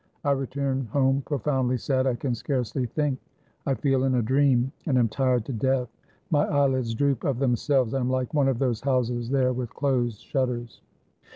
I return home profoundly sad; I can scarcely think — I feel in a dream, and am tired to death; my 413 FRANCE eyelids droop of themselves; I am like one of those houses there with closed shutters.